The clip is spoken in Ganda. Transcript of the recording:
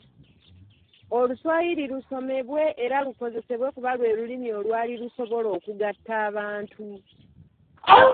Oluswayiri lusomesebwe era lukozesebwe kuba lwe Lulimi olwali lusobola okugatta abantu.